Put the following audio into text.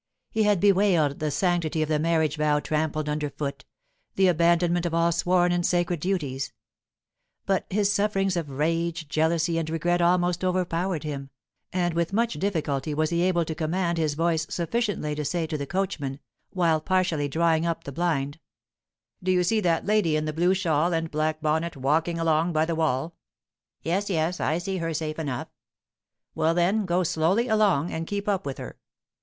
He had bewailed the sanctity of the marriage vow trampled under foot, the abandonment of all sworn and sacred duties; but his sufferings of rage, jealousy, and regret almost overpowered him, and with much difficulty was he able to command his voice sufficiently to say to the coachman, while partially drawing up the blind: "Do you see that lady in the blue shawl and black bonnet walking along by the wall?" "Yes, yes! I see her safe enough." "Well, then, go slowly along, and keep up with her.